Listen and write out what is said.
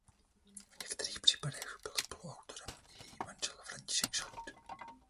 V některých případech byl spoluautorem i její manžel František Žalud.